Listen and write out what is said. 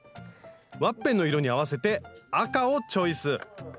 ワッペンの色に合わせて赤をチョイス。